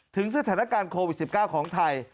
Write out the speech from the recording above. ถึงสถานการณ์โควิด๑๙ของไทย